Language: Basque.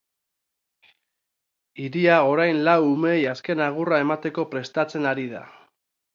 Hiria orain lau umeei azken agurra emateko prestatzen ari da.